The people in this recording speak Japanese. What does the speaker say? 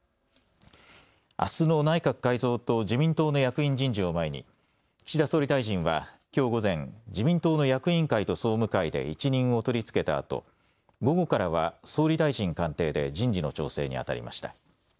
あすの内閣改造と自民党の役員人事を前に岸田総理大臣はきょう午前、自民党の役員会と総務会で一任を取り付けたあと午後からは総理大臣官邸で人事の調整にあたりました。